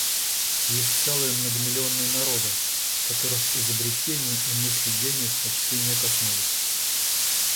Есть целые многомиллионные народы, которых изобретения и мысли гениев почти не коснулись.